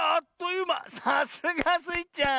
さすがスイちゃん。